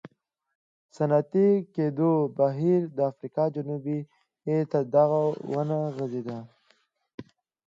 صنعتي کېدو بهیر د افریقا جنوب ته ونه غځېد.